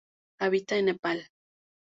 Habita en Nepal.